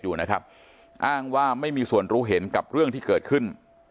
อยู่นะครับอ้างว่าไม่มีส่วนรู้เห็นกับเรื่องที่เกิดขึ้น